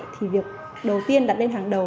thì việc đầu tiên đặt lên hàng đầu